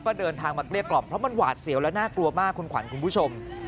ก็เดินทางมาเกลี้ยกล่อมเพราะมันหวาดเสียวและน่ากลัวมากคุณขวัญคุณผู้ชม